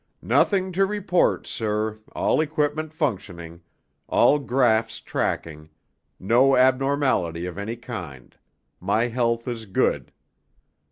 "Nothing to report, sir, all equipment functioning. All graphs tracking. No abnormality of any kind. My health is good...."